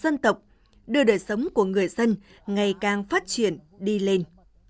dân tộc đưa đời sống của người dân ngày càng phát triển đi lên